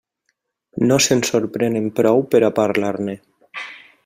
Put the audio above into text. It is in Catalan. No se'n sorprenen prou per a parlar-ne.